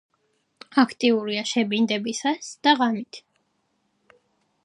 აქტიურია შებინდებისას და ღამით.